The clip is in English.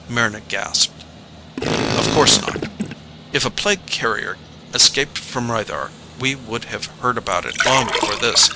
Mryna gasped. "Of course not. If a plague carrier escaped from Rythar, we would have heard about it long before this.